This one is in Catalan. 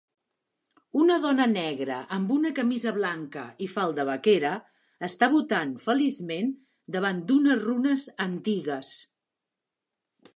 Una dona negra amb una camisa blanca i falda vaquera està botant feliçment davant d'unes runes antigues